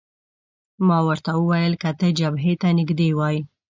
ما ورته وویل: که ته جبهې ته نږدې وای.